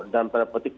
dan pada petik